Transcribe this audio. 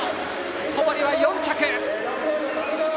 小堀は４着。